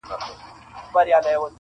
ته پیسې کټه خو دا فکرونه مکړه,